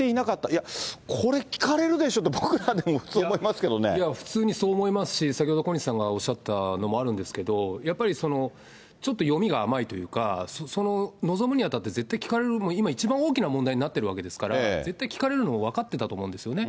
いや、これ聞かれるでしょって、僕らでも、普通にそう思いますし、先ほど小西さんがおっしゃったのもあるんですけど、やっぱりちょっと読みが甘いというか、臨むにあたって、絶対聞かれる、今一番大きな問題になってるわけですから、絶対聞かれるのは分かってたと思うんですよね。